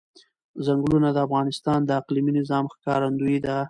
ځنګلونه د افغانستان د اقلیمي نظام ښکارندوی ده.